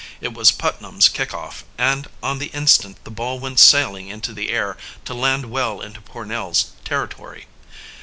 It was Putnam's kick off, and on the instant the ball went sailing into the air, to land well into Pornell's territory.